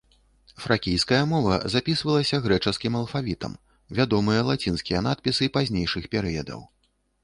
Фракійская мова запісвалася грэчаскім алфавітам, вядомыя лацінскія надпісы пазнейшых перыядаў.